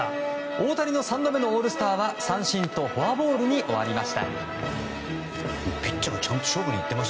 大谷の３度目のオールスターは三振とフォアボールに終わりました。